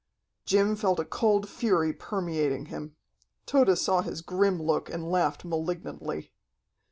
Jim felt a cold fury permeating him. Tode saw his grim look and laughed malignantly.